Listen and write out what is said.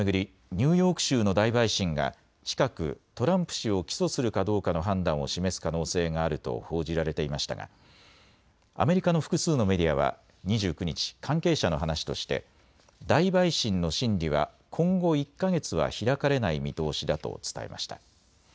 ニューヨーク州の大陪審が近くトランプ氏を起訴するかどうかの判断を示す可能性があると報じられていましたがアメリカの複数のメディアは２９日、関係者の話として大陪審の審理は今後１か月は開かれない見通しだと伝えました。